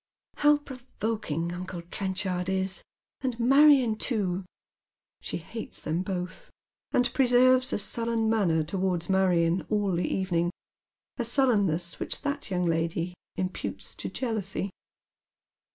How provoking uncle Trenchard is — and Marion too ! She hates them both, and preserves a sullen manner towards Marion all the evening, a sullenness which that young lady imputes to jealousy.